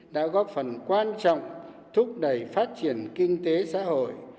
đã góp phần quan trọng thúc đẩy phát triển kinh tế xã hội